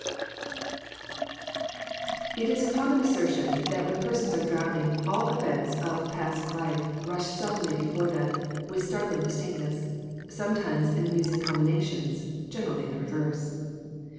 It is a common assertion that when persons are drowning, all the events of past life rush suddenly before them with startling distinctness: sometimes in amusing combinations: generally the reverse.